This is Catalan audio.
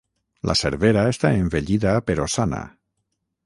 La servera està envellida però sana.